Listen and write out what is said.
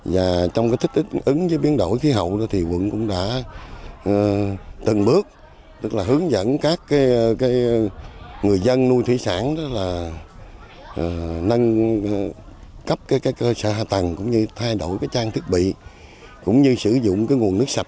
đặc biệt gần đây với các vấn đề biến đổi khí hậu như sạt lở khai thác cát chuyển đổi trong chăn nuôi